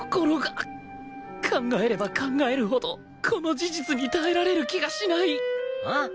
考えれば考えるほどこの事実に耐えられる気がしないんっ？